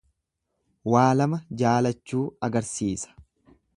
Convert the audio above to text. Waa lama jaalachuu agarsiisa.